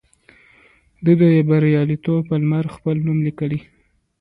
دوی د بریالیتوب پر لمر خپل نوم ولیکه.